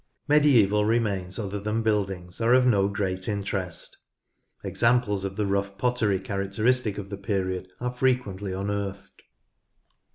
Medieval remains other than buildings are of no great interest. Examples of the rough pottery characteristic of the period are frequently unearthed.